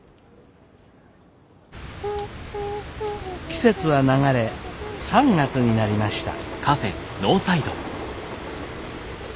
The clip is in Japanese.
季節は流れ３月になりました。